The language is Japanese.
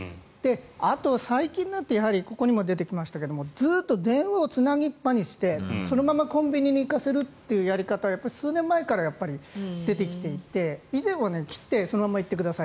あと、最近になってここにも出てきましたけれどずっと電話をつなぎっぱにしてそのままコンビニに行かせるというやり方が数年前から出てきていて以前は、切ってそのまま行ってください